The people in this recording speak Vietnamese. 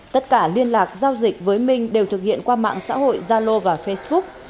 tất cả liên lạc giao dịch với mình đều thực hiện qua mạng xã hội gia lô và facebook